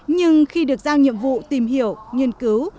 nhưng khi được giao nhiệm vụ tìm hiểu nghiên cứu